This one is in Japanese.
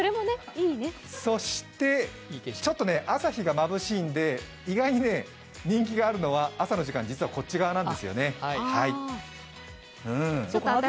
そして、朝日がまぶしいので意外に人気があるのが朝の時間、実はこっち側なんですよね。